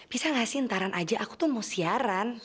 bisa gak sih ntaran aja aku tuh mau siaran